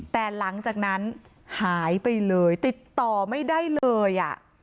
แต่หลังจากนั้นหายไปเลยติดต่อไม่ได้เลย